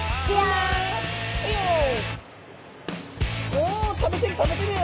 おお食べてる食べてる！